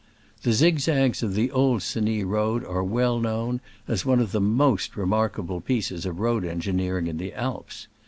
3 The zigzags of the old Cenis road are well known as one of the most remark able pieces of road engineering in the Alps.